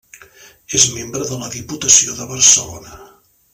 És membre de la Diputació de Barcelona.